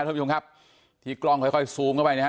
ทุกคนค่ะที่กล้องค่อยค่อยซูมเข้าไปนะฮะ